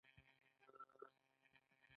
آیا موږ مومنان یو؟